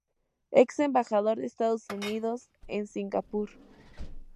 Ex embajador de Estados Unidos en Singapur.